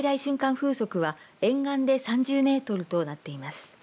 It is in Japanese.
風速は沿岸で３０メートルとなっています。